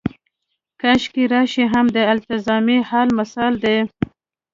کاشکې راشي هم د التزامي حال مثال دی.